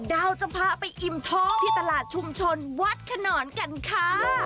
เราจะพาไปอิ่มท้องที่ตลาดชุมชนวัดขนอนกันค่ะ